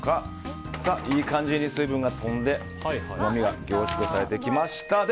いい感じに水分が飛んでうまみが凝縮されてきました。